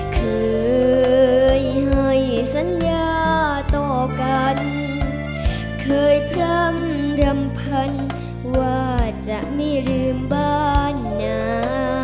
เคยให้สัญญาต่อกันเคยพร่ำรำพันว่าจะไม่ลืมบ้านหนา